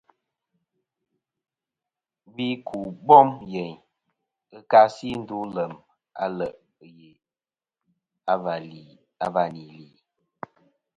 Gvi ku bom yeyn ɨ kasi ndu lem a le' ghe và nì li.